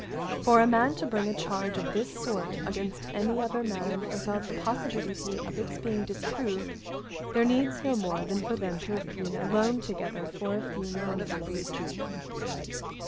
For a man to bring a charge of this sort against any other man without the possibility of its being disproved there needs no more than for them to have been alone together for a few moments.